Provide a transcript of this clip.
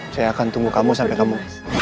saya akan tunggu kamu sampai kamu